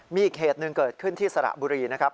มีอีกเหตุหนึ่งเกิดขึ้นที่สระบุรีนะครับ